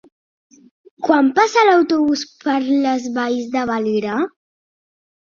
Quan passa l'autobús per les Valls de Valira?